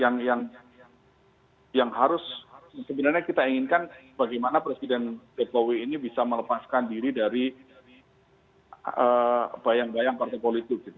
yang harus sebenarnya kita inginkan bagaimana presiden jokowi ini bisa melepaskan diri dari bayang bayang partai politik gitu